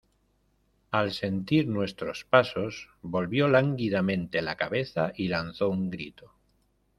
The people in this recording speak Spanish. al sentir nuestros pasos volvió lánguidamente la cabeza y lanzó un grito: